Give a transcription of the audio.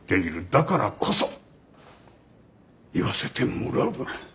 だからこそ言わせてもらうが。